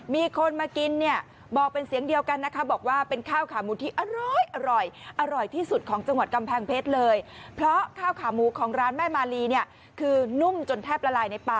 มีคนมากินเนี่ยบอกเป็นเสียงเดียวกันนะคะบอกว่าเป็นข้าวขาหมูที่อร้อยอร่อย